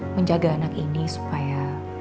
menjaga anak ini supaya